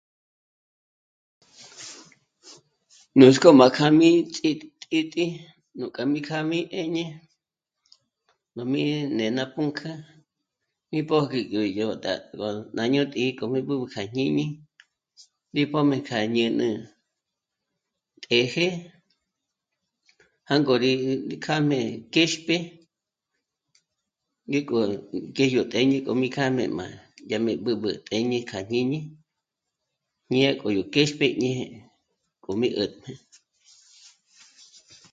Nuts'kó má k'âmí mí ts'íti nú kja mí kjâ'mí 'éñe nú mí né'e ná pǔnk'ü mí pöji yó ndá... gó yó ti'i k'o rí b'ǚb'ü kja jñíni rí pjö̀m'e kja jñíni, t'éje jângo rí kjâm'e kë̌xpjë ngíko ngé yó téñe k'o mi kjân'e yá mi b'ǚb'ü téñe kja jñíni ñé k'o nú kéxpje ñéje k'o mí 'ä̀tjnä